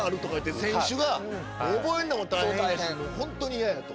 本当に嫌やと。